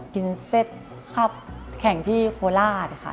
กินเซ็ตขับแข่งที่โคลาสค่ะ